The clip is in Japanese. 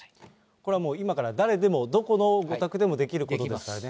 これはもう、今から誰でも、どこのお宅でもできることですからね。